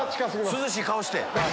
涼しい顔して！